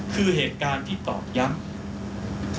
คือเหตุการณ์ที่ตอกย้ำ